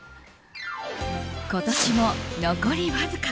今年も残りわずか。